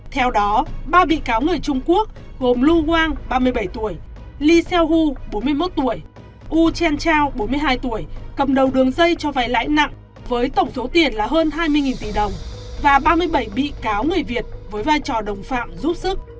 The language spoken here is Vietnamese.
theo đó ba bị cáo người trung quốc gồm lu wang li xiaohu wu chenchao cầm đầu đường dây cho vay lãi nặng với tổng số tiền là hơn hai mươi tỷ đồng và ba mươi bảy bị cáo người việt với vai trò đồng phạm rút sức